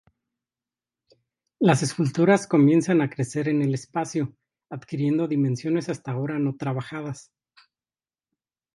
Las esculturas comienzan a crecer en el espacio, adquiriendo dimensiones hasta ahora no trabajadas.